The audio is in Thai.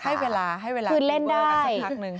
ให้เวลาให้เวลาดูเวอร์กันสักนักหนึ่ง